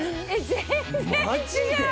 全然違う！